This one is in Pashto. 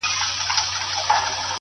بيا ولې ستا د ښايست هغه عالمگير ورک دی’